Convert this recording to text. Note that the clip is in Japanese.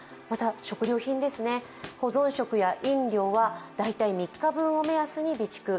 また食料品、保存食や飲料は大体３日分を目安に備蓄。